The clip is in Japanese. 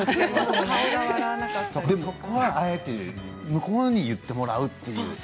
そこはあえて向こうに言ってもらうという。